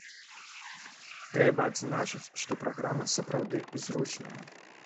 Трэба адзначыць, што праграма сапраўды зручная.